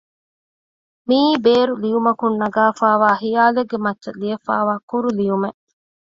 މިއީ ބޭރު ލިޔުމަކުން ނަގައިފައިވާ ޚިޔާލެއްގެ މައްޗަށް ލިޔެފައިވާ ކުރު ލިޔުމެއް